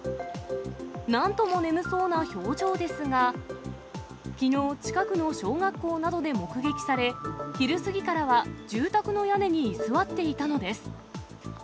なんとも眠そうな表情ですが、きのう、近くの小学校などで目撃され、昼過ぎからは住宅の屋根に居座っていたのです。